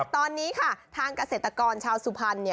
ตอนนี้ค่ะทางเกษตรกรชาวสุพรรณ